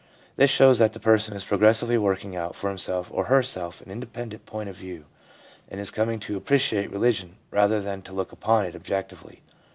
This shows that the person is progressively working out for himself or herself an independent point of view, and is coming to appreciate religion rather than to look upon it objectively.